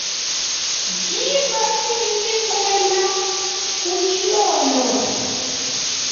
Diba didi dibuela kudilolo.